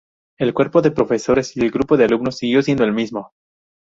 El cuerpo de profesores y el grupo de alumnos siguió siendo el mismo.